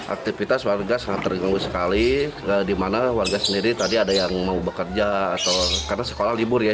aktivitas warga sangat terganggu sekali di mana warga sendiri tadi ada yang mau bekerja atau karena sekolah libur ya